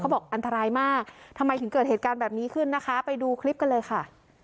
แบบนี้ขึ้นนะคะไปดูคลิปกันเลยค่ะ